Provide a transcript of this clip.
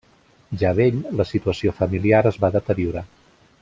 Ja vell, la situació familiar es va deteriorar.